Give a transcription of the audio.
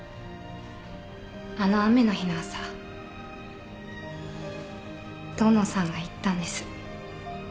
あの雨の日の朝遠野さんが言ったんです。